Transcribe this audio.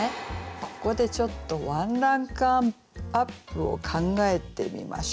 ここでちょっとワンランクアップを考えてみましょう。